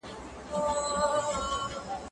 زه له سهاره مکتب ته ځم!؟